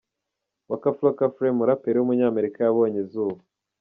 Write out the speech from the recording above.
Waka Flocka Flame, umuraperi w’umunyamerika yabonye izuba.